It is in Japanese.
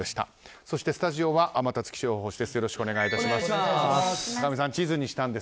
そして、スタジオは天達気象予報士です。